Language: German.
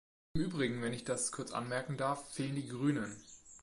Im übrigen, wenn ich das kurz anmerken darf, fehlen die Grünen.